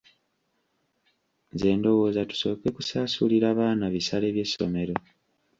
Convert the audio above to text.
Nze ndowooza tusooke kusasulira baana bisale by'essomero.